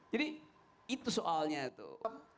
jadi itu soalnya tuh